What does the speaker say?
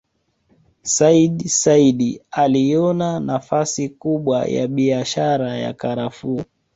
Sayyid Said aliona nafasi kubwa ya biashara ya Karafuu